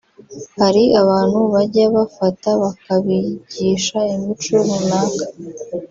Hari abantu bajya bafata bakabigisha imico runaka